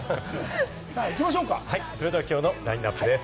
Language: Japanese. それでは今日のラインナップです。